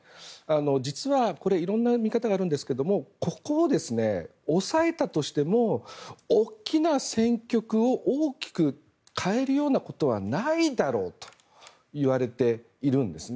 実は、いろんな見方があるんですけれどもここを抑えたとしても大きな戦局を大きく変えるようなことはないだろうといわれているんですね。